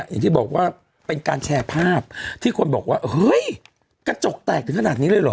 อย่างที่บอกว่าเป็นการแชร์ภาพที่คนบอกว่าเฮ้ยกระจกแตกถึงขนาดนี้เลยเหรอ